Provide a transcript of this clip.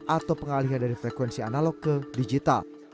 atau pengalihan dari frekuensi analog ke digital